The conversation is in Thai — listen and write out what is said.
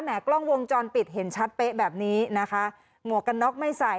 กล้องวงจรปิดเห็นชัดเป๊ะแบบนี้นะคะหมวกกันน็อกไม่ใส่